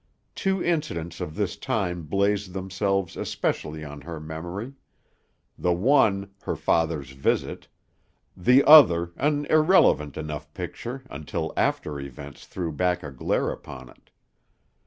Two incidents of this time blazed themselves especially on her memory: the one, her father's visit, the other, an irrelevant enough picture until after events threw back a glare upon it.